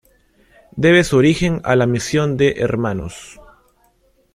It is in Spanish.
Debe su origen a la misión de Hnos.